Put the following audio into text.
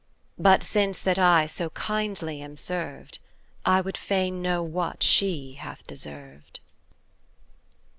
But since that I so kindly am served, I would fain know what she hath deserved.